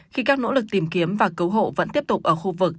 khi các nỗ lực tìm kiếm và cứu hộ vẫn tiếp tục ở khu vực